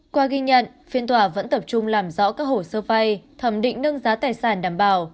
qua ghi nhận phiên tòa vẫn tập trung làm rõ các hồ sơ vay thẩm định nâng giá tài sản đảm bảo